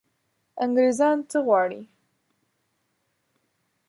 انګرېزان څه غواړي.